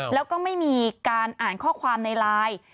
แล้วก็ไม่มีการอ่านข้อความในไลน์